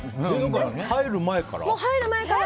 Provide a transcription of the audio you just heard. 入る前から？